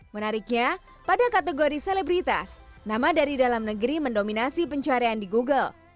menariknya pada kategori selebritas nama dari dalam negeri mendominasi pencarian di google